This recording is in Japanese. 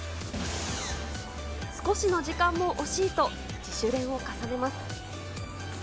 少しの時間も惜しいと、自主練を重ねます。